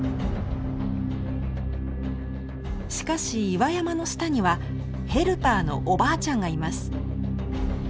しかし岩山の下にはヘルパーのおばあちゃんがいます。